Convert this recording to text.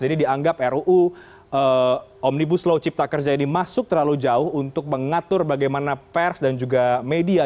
jadi dianggap ruu omnibus law ciptakers jadi masuk terlalu jauh untuk mengatur bagaimana pers dan juga media